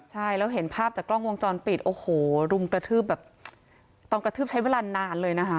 ใช่แล้วเห็นภาพจากกล้องวงจรปิดโอ้โหรุมกระทืบแบบตอนกระทืบใช้เวลานานเลยนะคะ